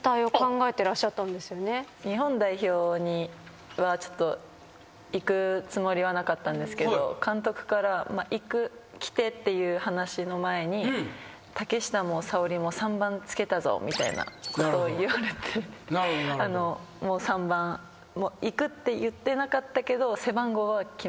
日本代表にはちょっと行くつもりはなかったんですけど監督から来てっていう話の前に竹下も沙織も３番つけたぞみたいなことを言われて行くって言ってなかったけど背番号は決まってました。